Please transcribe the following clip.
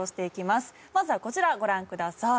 まずはこちらご覧ください。